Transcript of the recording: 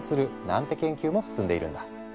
なんて研究も進んでいるんだ。